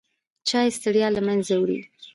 چای ستړیا له منځه وړي.